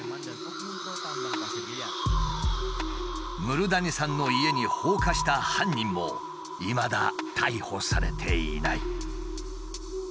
ムルダニさんの家に放火した犯人もいまだ逮捕されていない。